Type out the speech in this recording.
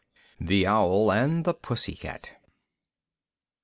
THE OWL AND THE PUSSY CAT.